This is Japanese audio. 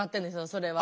それは。